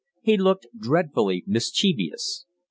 He looked dreadfully mischievous.